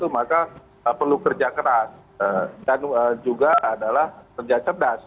maka perlu kerja keras dan juga adalah kerja cerdas